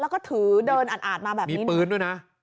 แล้วก็ถือเดินอาดมาแบบนี้มีปืนด้วยนะ